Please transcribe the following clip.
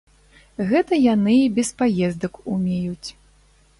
Гэта яны і без паездак умеюць.